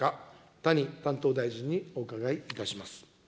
谷担当大臣にお伺いいたします。